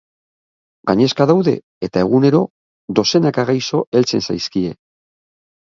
Gainezka daude eta egunero dozenaka gaixo heltzen zaizkie.